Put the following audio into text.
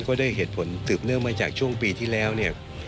ก็ได้เหตุผลสืบเนื่องมาจากช่วงปีที่แล้วเนี่ย